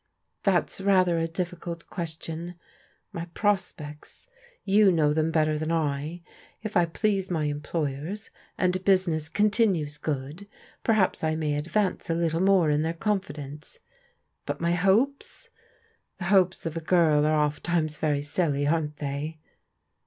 "That's rather a difficult question. My prospects?— you know them better than I. If I please my employers, and business continues good, perhaps I may advance a little more in their confidence ; but my hopes ?— ^the hopes of a girl are ofttimes very silly, aren't they?